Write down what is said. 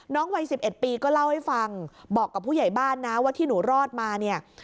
วัย๑๑ปีก็เล่าให้ฟังบอกกับผู้ใหญ่บ้านนะว่าที่หนูรอดมาเนี่ย